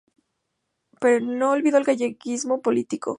Pero no olvidó el galleguismo político.